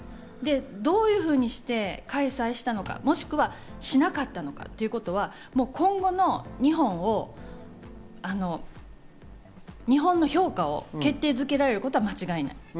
どういうふうにして開催したのか、もしくはしなかったのかということは、今後の日本を日本の評価を決定づけられることは間違いない。